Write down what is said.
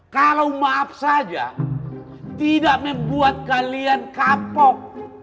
kalau maaf saja tidak membuat kalian kapok